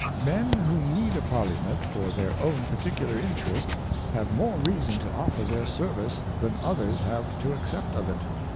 Men who need a Parliament for their own particular Interest, have more reason to offer their Service than others have to accept of it.